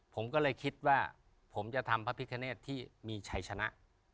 ผมก็เลยคิดว่าผมจะทำพระพิคเนตที่มีชัยชนะ